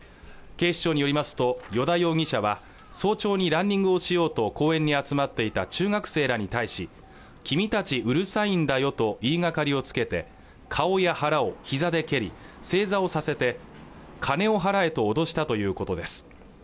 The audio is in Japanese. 警視庁によりますと依田容疑者は早朝にランニングをしようと公園に集まっていた中学生らに対し君たちうるさいんだよと言いがかりをつけて顔や腹をひざで蹴り正座をさせて金を払えと脅したということです